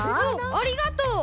ありがとう。